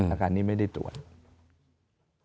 อาการนี้ไม่ได้ตรวจ